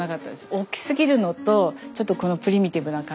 大きすぎるのとちょっとこのプリミティブな感じが。